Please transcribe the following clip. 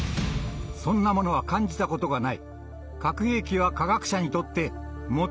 そんなものは感じたことがない。